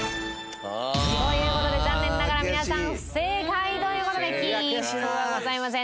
という事で残念ながら皆さん不正解という事で金一封はございません。